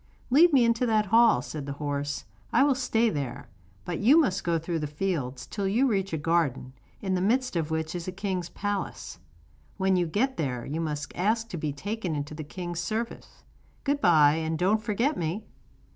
'Lead me into that hall,' said the horse, 'I will stay there; but you must go through the fields till you reach a garden, in the midst of which is a king's palace. When you get there you must ask to be taken into the king's service. Good bye, and don't forget me.